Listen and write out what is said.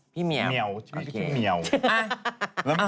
พี่เมียมชีวิตชื่อพี่เมียม